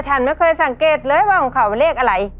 ฉันไม่เคยสังเกตเลยว่าของเขาเป็นเลขอะไร